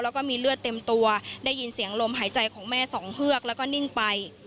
แล้วก็มีเลือดเต็มตัวได้ยินเสียงลมหายใจของแม่สองเฮือกแล้วก็นิ่งไป